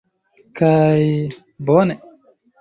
Kaj... bone!